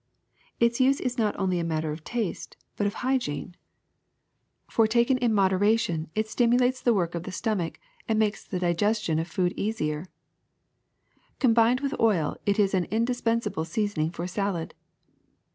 Its use is not only a matter of taste, but also of hygiene, for VINEGAR ^55 taken in moderation it stimulates the work of the stomach and makes the digestion of food easier. Combined with oil it is an indispensable seasoning for salad.